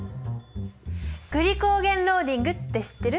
グリコーゲン・ローディングって知ってる？